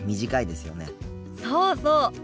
そうそう。